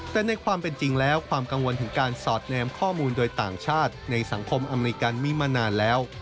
แต่ในความเป็นจริงแล้วความกังวลถึงการสอดแนมข้อมูลโดยต่างชาติในสังคมอเมริกันมีมานานแล้ว